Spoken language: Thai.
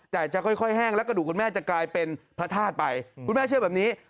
ใจจะค่อยแห้งและกระดูกจะกลายเป็นพระธาติไป